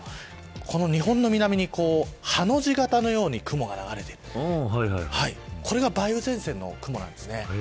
日本の南にハの字型のように雲が流れているこれが梅雨前線の雲です。